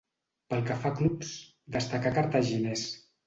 Pel que fa a clubs, destacà a Cartaginés.